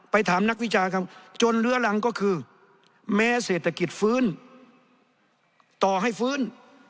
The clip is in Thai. ถามนักวิชาครับจนเหลือรังก็คือแม้เศรษฐกิจฟื้นต่อให้ฟื้น